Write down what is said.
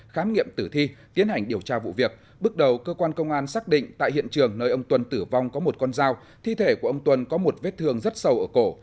khám nghiệm tử thi tiến hành điều tra vụ việc bước đầu cơ quan công an xác định tại hiện trường nơi ông tuân tử vong có một con dao thi thể của ông tuân có một vết thương rất sâu ở cổ